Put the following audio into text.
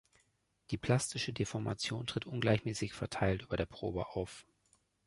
Die plastische Deformation tritt ungleichmäßig verteilt über der Probe auf.